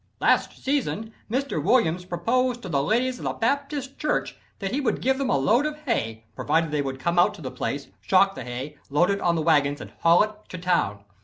"Last season Mr. Williams proposed to the ladies of the Baptist church that he would give them a load of hay, provided they would come out to the place, shock the hay, load it on wagons and haul it to town.